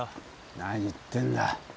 何言ってんだ。